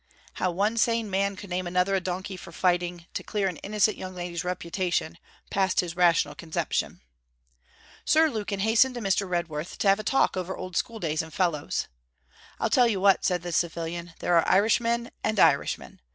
How one sane man could name another a donkey for fighting to clear an innocent young lady's reputation, passed his rational conception. Sir Lukin hastened to Mr. Redworth to have a talk over old schooldays and fellows. 'I'll tell you what,' said the civilian, 'There are Irishmen and Irishmen.